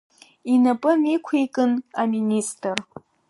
Инапы ниқәикын аминистр…